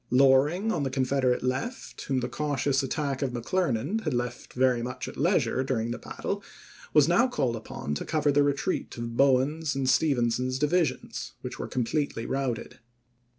Loring on the Confederate left, whom the cau tious attack of McClernand had left very much at leisure during the battle, was now called upon to cover the retreat of Bowen's and Stevenson's divisions, which were completely routed.